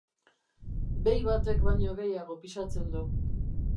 Behi batek baino gehiago pisatzen du...